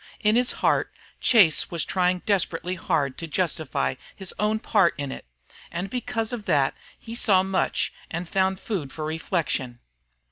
In his heart Chase was trying desperately hard to justify his own part in it, and because of that he saw much and found food for reflection.